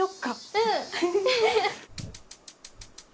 うん！